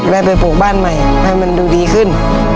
ได้ไปปลูกบ้านใหม่ให้มันดูดีขึ้น